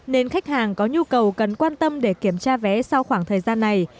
nên khách hàng có nhu cầu cần quan tâm để kiểm tra vé sau khoảng thời gian này